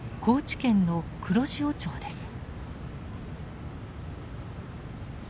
高知県の黒潮町です。